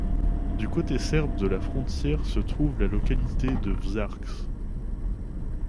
Du côté serbe de la frontière se trouve la localité de Vršac.